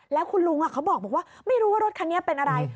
แล้วคุณลุงเขาบอกว่าไม่รู้ว่ารถคันนี้เป็นอะไร